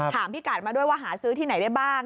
พี่กัดมาด้วยว่าหาซื้อที่ไหนได้บ้าง